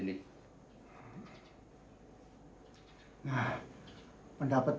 ini tetap simpanan memang gefunden pula